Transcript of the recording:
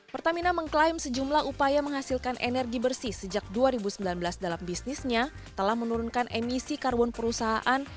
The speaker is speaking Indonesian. pertamina mengklaim sejumlah upaya menghasilkan energi bersih sejak dua ribu sembilan belas dalam bisnisnya telah menurunkan emisi karbon perusahaan